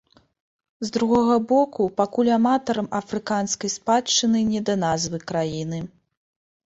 З другога боку, пакуль аматарам афрыканскай спадчыны не да назвы краіны.